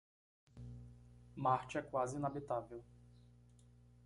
Marte é quase inabitável.